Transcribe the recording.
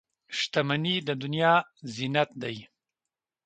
• شتمني د دنیا زینت دی.